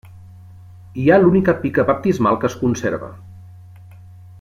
Hi ha l'única pica baptismal que es conserva.